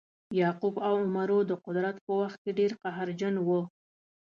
یعقوب او عمرو د قدرت په وخت کې ډیر قهرجن وه.